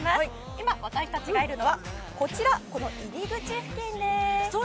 今、私たちがいるのはこちら、この入り口付近です。